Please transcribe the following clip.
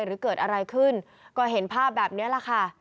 หรือเกิดอะไรขึ้นก็เห็นภาพแบบนี้แหละค่ะ